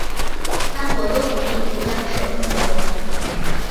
三国都同意不干涉中国内政。